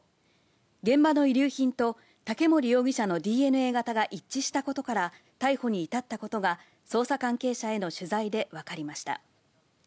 現場の遺留品と竹森容疑者のＤＮＡ型が一致したことから逮捕に至ったことが捜査関係者への取材で分かりました。